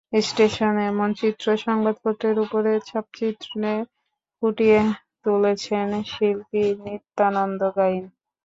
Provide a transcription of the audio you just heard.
স্টেশনের এমন চিত্র সংবাদপত্রের ওপরে ছাপচিত্রে ফুটিয়ে তুলেছেন শিল্পী নিত্যানন্দ গাইন।